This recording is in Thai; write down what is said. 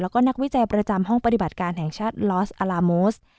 แล้วก็นักวิจัยประจำห้องปฏิบัติการแห่งชาติลอสอัลลาโมส